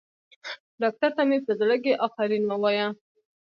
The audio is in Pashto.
ډاکتر ته مې په زړه کښې افرين ووايه.